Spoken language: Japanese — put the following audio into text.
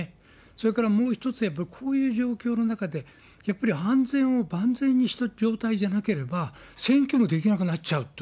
それからもう一つ、こういう状況の中で、やっぱり安全を万全にした状態でなければ、選挙もできなくなっちゃうと。